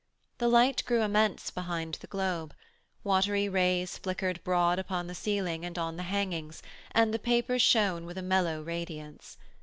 The light grew immense behind the globe; watery rays flickered broad upon the ceiling and on the hangings, and the paper shone with a mellow radiance.